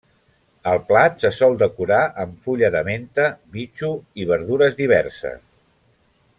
El plat se sol decorar amb fulla de menta, bitxo i verdures diverses.